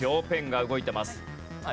ペンが動いてます。